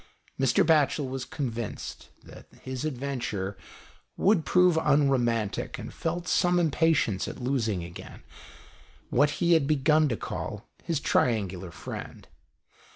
Mr. Batchel was convinced that his adventure would prove unromantic, and felt some impatience at losing again, what he had begun to call his triangular friend.